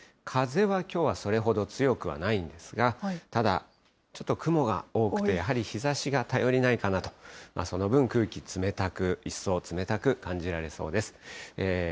風はきょうはそれほど強くはないんですが、ただ、ちょっと雲が多くて、やはり日ざしが頼りないかなと、その分、空気冷たく、一層冷たく感じられそうです。